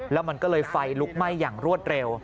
แล้วมันก็เลยไฟลุกไหม้อย่างรวดเร็ว